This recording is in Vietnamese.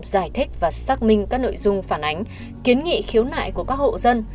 giải thích và xác minh các nội dung phản ánh kiến nghị khiếu nại của các hộ dân